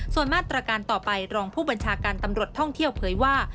ส่วนมาตรการต่อไปรองผู้บัญชาการตำรวจท่องเที่ยวเผยว่า